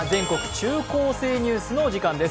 中高生ニュース」のお時間です。